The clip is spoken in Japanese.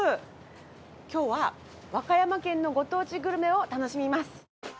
今日は和歌山県のご当地グルメを楽しみます。